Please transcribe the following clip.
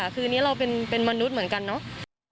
คืออันนี้เราเป็นมนุษย์เหมือนกันเนาะ